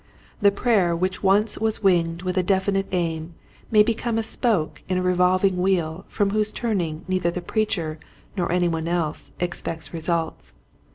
The prayer which once was winged with a definite aim may become a spoke in a re volving wheel from whose turning neither the preacher nor any one else expects re sults.